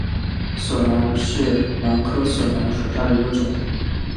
笋兰为兰科笋兰属下的一个种。